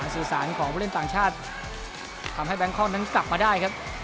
สื่อสารของผู้เล่นต่างชาติทำให้แบงคอกนั้นกลับมาได้ครับ